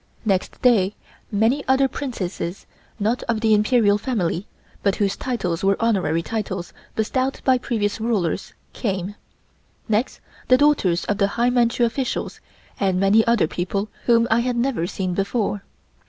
Next day many other Princesses, not of the Imperial family, but whose titles were honorary titles bestowed by previous rulers, came. Next, the daughters of the high Manchu officials and many other people whom I had never seen before.